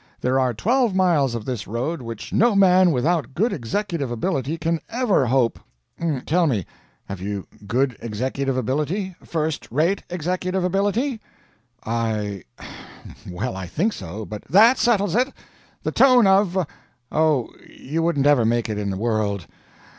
There are twelve miles of this road which no man without good executive ability can ever hope tell me, have you good executive ability? first rate executive ability?" "I well, I think so, but " "That settles it. The tone of oh, you wouldn't ever make it in the world.